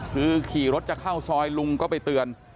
คือขี่รถจะเข้าซอยลุงก็ไปเตือน